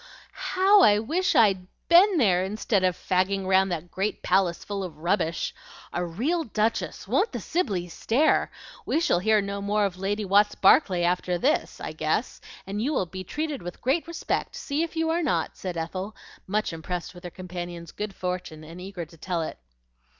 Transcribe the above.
"How I wish I'd been there, instead of fagging round that great palace full of rubbish! A real Duchess! Won't the Sibleys stare? We shall hear no more of Lady Watts Barclay after this, I guess, and you will be treated with great respect; see if you are not!" said Ethel, much impressed with her companion's good fortune and eager to tell it.